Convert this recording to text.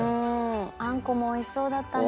あんこも美味しそうだったな。